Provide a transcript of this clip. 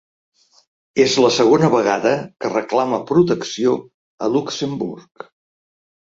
És la segona vegada que reclama protecció a Luxemburg.